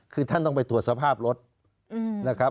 คือท่านต้องไปตรวจสภาพรถนะครับ